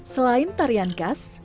selain tarian kas